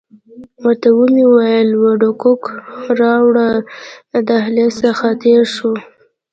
ورته ومې ویل وډکوک راوړه، له دهلیز څخه تېر شوو.